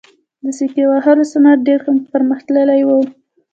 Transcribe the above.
د سکې وهلو صنعت ډیر پرمختللی و